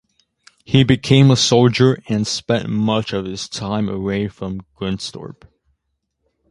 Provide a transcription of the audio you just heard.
He became a soldier and spent much of his time away from Grimsthorpe.